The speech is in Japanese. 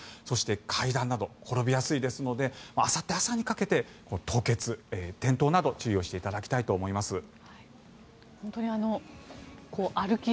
そして、階段など転びやすいですのであさって朝にかけて凍結、転倒など注意をしていただきたいと思います。